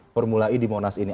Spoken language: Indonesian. permulai di monas ini